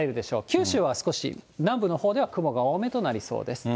九州は少し南部のほうでは雲が多めとなりそうです。